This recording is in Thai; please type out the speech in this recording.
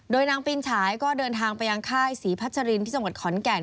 โดยนางปีนฉายก็เดินทางไปยังค่ายศรีพัชรินที่จังหวัดขอนแก่น